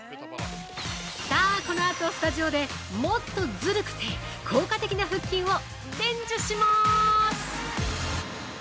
さあ、このあと、スタジオでもっとズルくて効果的な腹筋を伝授しまーす！